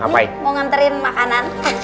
mau nganterin makanan